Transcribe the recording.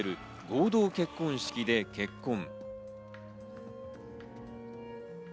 合同結婚式で結婚。